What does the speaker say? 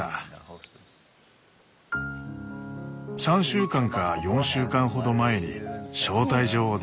３週間か４週間ほど前に招待状を出します。